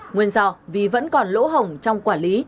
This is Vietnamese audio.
nguyên do vì vẫn còn lỗ hồng trong quản lý